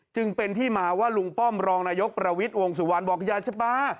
จึงเป็นที่มาว่าลุงป้อมรองนายกประวิทย์วงสุวรรณบอกอยากจะมา